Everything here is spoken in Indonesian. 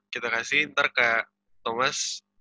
kita kasih nanti kak thomas